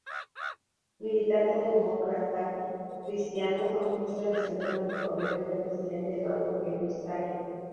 Militante democratacristiano, fue ministro de Salud durante el gobierno del presidente Eduardo Frei Ruiz-Tagle.